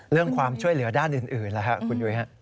เรื่องความช่วยเหลือด้านอื่นล่ะครับคุณยุ้ยฮะ